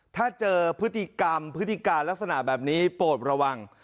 ถ้าเจอพฤติกรรมพฤติการลักษณะแบบนี้โปรดระวัง